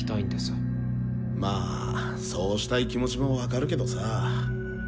まあそうしたい気持ちも分かるけどさぁ。